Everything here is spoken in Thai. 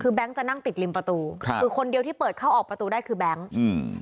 คือแก๊งจะนั่งติดริมประตูครับคือคนเดียวที่เปิดเข้าออกประตูได้คือแบงค์อืม